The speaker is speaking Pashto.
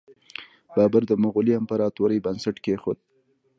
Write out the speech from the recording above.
بابر د مغولي امپراتورۍ بنسټ کیښود.